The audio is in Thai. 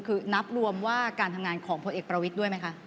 คือนับรวมว่าการทำงานของพลเอกประวิทย์ด้วยไหมคะ